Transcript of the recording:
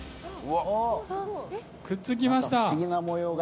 ・くっつきました！